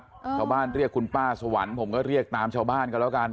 ชาวบ้านเรียกคุณป้าสวรรค์ผมก็เรียกตามชาวบ้านกันแล้วกัน